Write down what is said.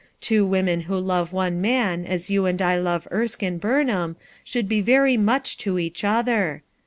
Two women who love one man as you and I love Erskine Burnham should ho very much to each other.